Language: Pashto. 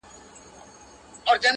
• طوطي نه وو یوه لویه ننداره وه,